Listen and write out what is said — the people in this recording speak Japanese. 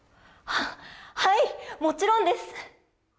ははいもちろんです！